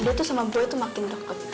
dia tuh sama boy tuh makin deket